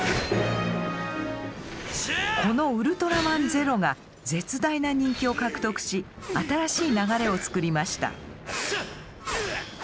このウルトラマンゼロが絶大な人気を獲得し新しい流れを作りました。